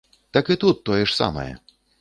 Так і тут, тое ж самае.